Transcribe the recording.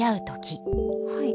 はい。